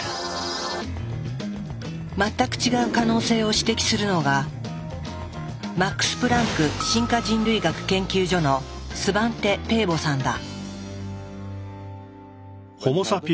全く違う可能性を指摘するのがマックス・プランク進化人類学研究所のスバンテ・ペーボさんだ。